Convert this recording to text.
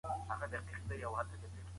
ته باید په خپلو خبرو کي وضاحت ولرې.